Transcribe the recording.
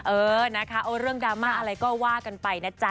เออนะคะเอาเรื่องดราม่าอะไรก็ว่ากันไปนะจ๊ะ